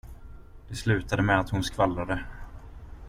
Det slutade med att hon skvallrade.